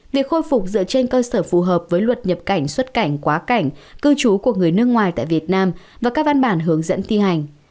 việc khôi phục dựa trên cơ sở phù hợp với luật nhập cảnh xuất cảnh quá cảnh cư trú của người nước ngoài tại việt nam và các văn bản hướng dẫn thi hành